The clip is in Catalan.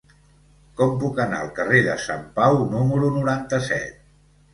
Com puc anar al carrer de Sant Pau número noranta-set?